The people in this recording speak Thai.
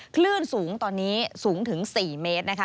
คลื่นสูงตอนนี้สูงถึง๔เมตรนะคะ